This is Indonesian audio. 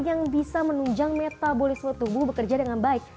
yang bisa menunjang metabolisme tubuh bekerja dengan baik